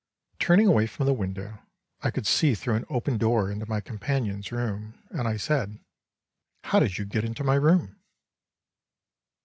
Turning away from the window, I could see through an open door into my companion's room, and I said, "How did you get into my room?"